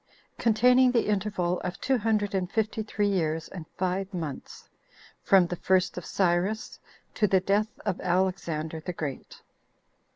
Containing The Interval Of Two Hundred And Fifty Three Years And Five Months.From The First Of Cyrus To The Death Of Alexander The Great.